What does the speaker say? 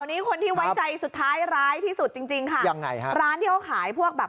วันนี้คนที่ไว้ใจสุดท้ายร้ายที่สุดจริงจริงค่ะยังไงฮะร้านที่เขาขายพวกแบบ